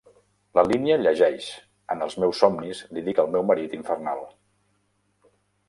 La línia llegeix, En els meus somnis li dic el meu marit infernal.